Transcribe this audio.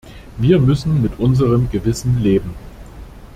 Wir müssen mit unserem Gewissen leben.